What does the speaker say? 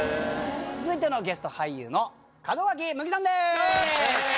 続いてのゲスト俳優の門脇麦さんです！